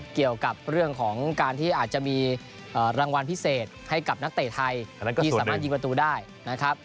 เกี่ยวกับเรื่องของการที่อาจจะมีรางวัลพิเศษให้กับนักเตะไทยที่สามารถยิงประตูได้นะครับ